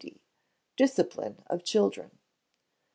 Discipline of Children.